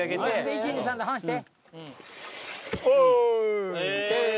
１２３で離して。